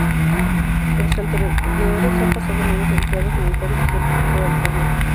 Por sus alrededores han pasado miles de empleados, militares y gentes de toda alcurnia.